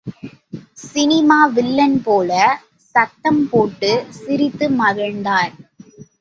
Cinema villain போல சத்தம் போட்டுச் சிரித்து மகிழ்ந்தார்.